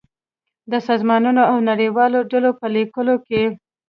د سازمانونو او نړیوالو ډلو په ليکو کې